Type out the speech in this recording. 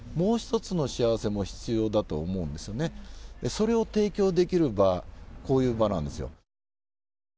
それを提供できる場はこういう場なんです。